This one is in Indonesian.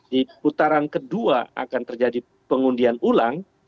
di putaran kedua akan terjadi pengundian ulang